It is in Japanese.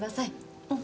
うん。